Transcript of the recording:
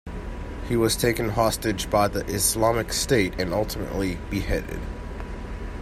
He was taken hostage by The Islamic State, and ultimately beheaded.